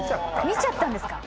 見ちゃったんですか？